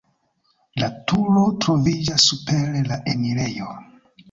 La turo troviĝas super la enirejo.